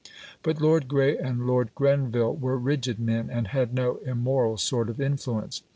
But Lord Grey and Lord Grenville were rigid men, and had no immoral sort of influence.